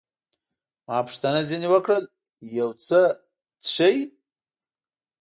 ما پوښتنه ځیني وکړل، یو څه څښئ؟